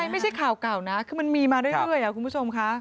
ไม่ใช่ข่าวเก่านะคือมันมีมาเรื่อยคุณผู้ชมค่ะ